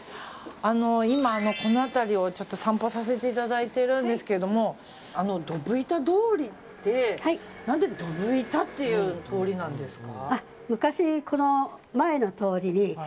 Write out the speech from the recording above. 今、この辺りを散歩させていただいてるんですけどドブ板通りって何でドブ板っていう通りなんですか？